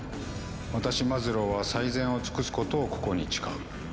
私マズローは最善を尽くすことをここに誓う」。